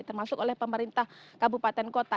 termasuk oleh pemerintah kabupaten kota